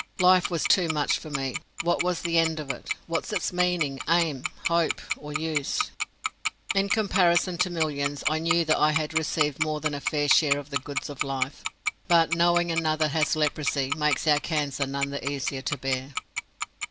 Life was too much for me. What was the end of it, what its meaning, aim, hope, or use? In comparison to millions I knew that I had received more than a fair share of the goods of life; but knowing another has leprosy makes our cancer none the easier to bear.